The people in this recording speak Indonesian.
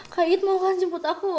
kayaknya nek mau kan jemput aku